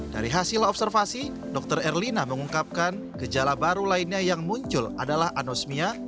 dari hasil observasi dokter erlina mengungkapkan gejala baru lainnya yang muncul adalah anosmia